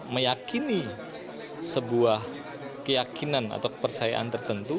meyakini sebuah keyakinan atau kepercayaan tertentu